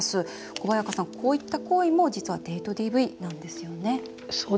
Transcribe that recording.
小早川さん、こういった行為も実はデートＤＶなんですね。